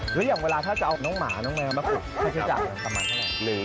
หรืออย่างเวลาถ้าจะเอาน้องหมาน้องแมวมาฝึกคือเฉยจักรสำหรับเท่าไหร่